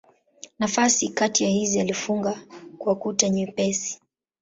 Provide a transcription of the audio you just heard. Nafasi kati ya hizi alifunga kwa kuta nyepesi.